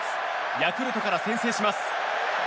ヤクルトから先制します。